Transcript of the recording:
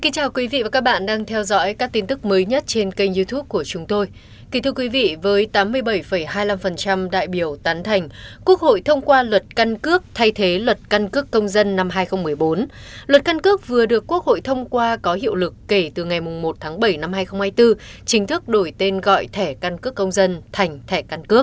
các bạn hãy đăng ký kênh để ủng hộ kênh của chúng tôi nhé